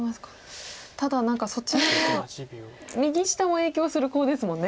ただ何かそちらの右下も影響するコウですもんね。